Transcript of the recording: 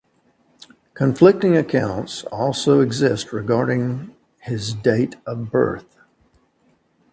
Conflicting accounts also exist regarding his date of birth.